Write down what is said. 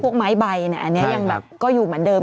ไม้ใบเนี่ยอันนี้ยังแบบก็อยู่เหมือนเดิม